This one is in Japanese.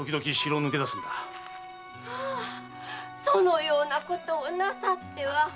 そのようなことをなさっては。